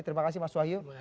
terima kasih mas wahyu